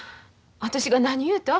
私が何言うた？